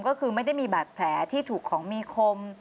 ก็คือไม่ได้มีบาดแผลที่ถูกของมีคม